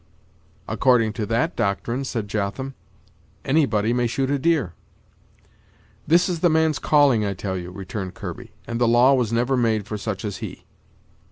"According to that doctrine," said Jotham, "anybody may shoot a deer." "This is the man's calling, I tell you," returned Kirby, "and the law was never made for such as he."